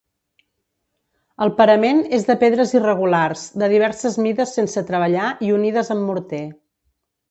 El parament és de pedres irregulars, de diverses mides sense treballar i unides amb morter.